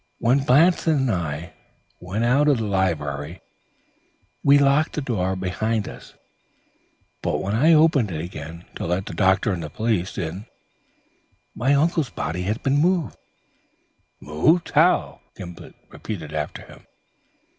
When Blanston and I went out of the library, we locked the door behind us, but when I opened it again, to let in the doctor and the police, my uncle's body had been moved." "Moved? How?" Gimblet repeated after him.